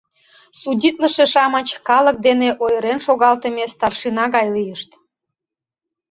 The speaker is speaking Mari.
Судитлыше-шамыч калык дене ойырен шогалтыме старшина гай лийышт.